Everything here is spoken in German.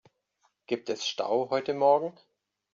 Gibt es Stau heute morgen?